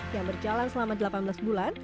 yang berjalan selama delapan belas bulan